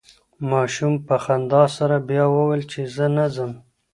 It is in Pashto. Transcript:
ماشوم په خندا سره بیا وویل چې زه نه ځم.